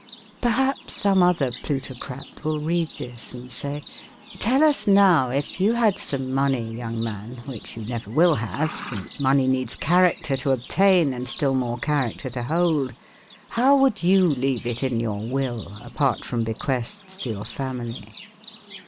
Perhaps some other plutocrat will read this and say :" Tell us now, if you had some money, young man, which you never will have, since money needs character to obtain and still more character to hold, how would you leave it in your Will apart from bequests to your family?